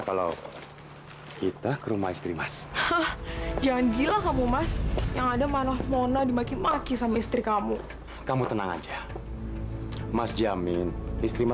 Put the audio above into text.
sampai jumpa di video selanjutnya